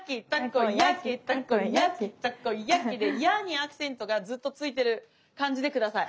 例えばで「や」にアクセントがずっと付いてる感じで下さい。